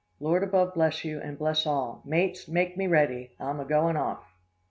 Lord above bless you, and bless all! Mates, make me ready! I'm a going off!